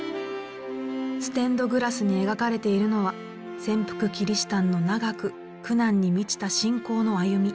ステンドグラスに描かれているのは潜伏キリシタンの長く苦難に満ちた信仰の歩み。